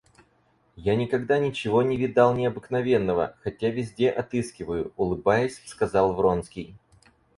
Я никогда ничего не видал необыкновенного, хотя везде отыскиваю, — улыбаясь сказал Вронский.